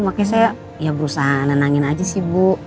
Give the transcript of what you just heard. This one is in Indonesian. makanya saya ya berusaha nenangin aja sih bu